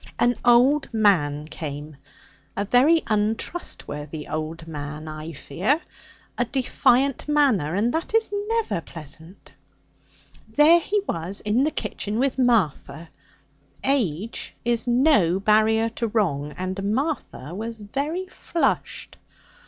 'An old man came. A very untrustworthy old man, I fear. A defiant manner, and that is never pleasant. There he was in the kitchen with Martha! Age is no barrier to wrong, and Martha was very flushed.